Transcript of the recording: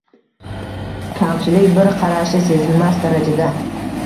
Kamchilik bir qarashda sezilmas darajada.